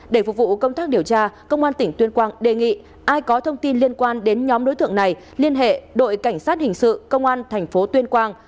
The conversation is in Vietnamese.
để phục vụ công tác điều tra công an tỉnh tuyên quang đề nghị ai có thông tin liên quan đến nhóm đối tượng này liên hệ đội cảnh sát hình sự công an thành phố tuyên quang